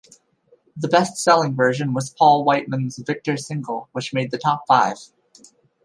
The best-selling version was Paul Whiteman's Victor single, which made the top five.